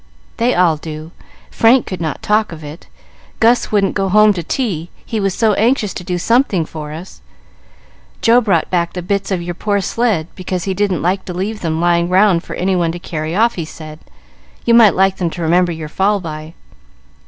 "They all do. Frank could not talk of it. Gus wouldn't go home to tea, he was so anxious to do something for us. Joe brought back the bits of your poor sled, because he didn't like to leave them lying round for any one to carry off, he said, and you might like them to remember your fall by."